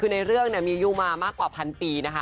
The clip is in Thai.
คือในเรื่องมีอายุมามากกว่าพันปีนะคะ